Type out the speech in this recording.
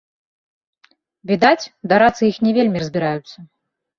Відаць, дарадцы іх не вельмі разбіраюцца.